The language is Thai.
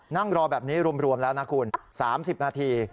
นั่งรอแบบนี้รวมแล้วนะคุณ๓๐นาที